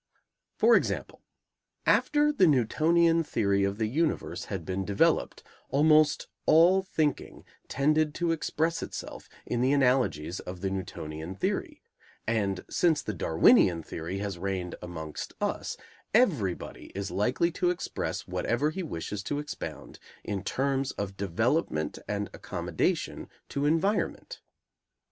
For example, after the Newtonian Theory of the universe had been developed, almost all thinking tended to express itself in the analogies of the Newtonian Theory, and since the Darwinian Theory has reigned amongst us, everybody is likely to express whatever he wishes to expound in terms of development and accommodation to environment.